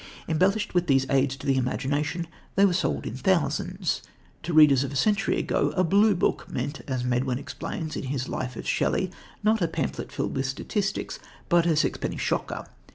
Embellished with these aids to the imagination, they were sold in thousands. To the readers of a century ago, a "blue book" meant, as Medwin explains in his life of Shelley, not a pamphlet filled with statistics, but "a sixpenny shocker."